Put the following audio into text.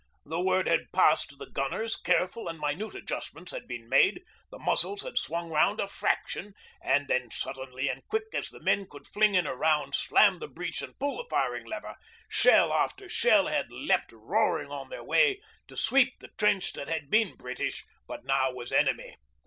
The word had passed to the gunners, careful and minute adjustments had been made, the muzzles had swung round a fraction, and then, suddenly and quick as the men could fling in a round, slam the breech and pull the firing lever, shell after shell had leapt roaring on their way to sweep the trench that had been British, but now was enemy.